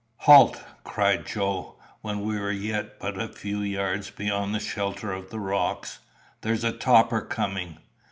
"Halt!" cried Joe, when we were yet but a few yards beyond the shelter of the rocks. "There's a topper coming."